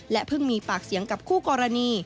เพิ่งมีปากเสียงกับคู่กรณี